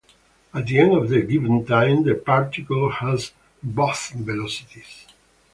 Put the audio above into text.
At the end of the given time, the particle has "both" velocities.